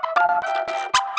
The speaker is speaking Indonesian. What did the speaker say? kau mau kemana